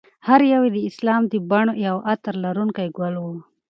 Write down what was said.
هر یو یې د اسلام د بڼ یو عطر لرونکی ګل و.